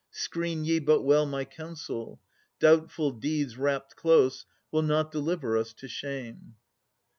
Screen ye but well my counsel. Doubtful deeds, Wrapt close, will not deliver us to shame.